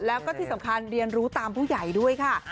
แล้วก็ที่สำคัญเรียนรู้ตามผู้ใหญ่ด้วยค่ะ